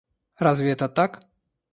Разве это так?